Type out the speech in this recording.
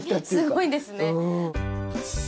すごいですね。